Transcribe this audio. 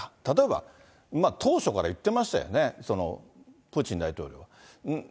例えば、当初から言ってましたよね、プーチン大統領は。